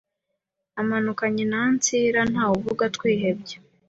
Namanukanye na Ancilla ntawuvuga twihebye